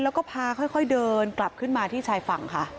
แล้วก็พาค่อยเดินกลับขึ้นมาที่ชายฝั่งค่ะ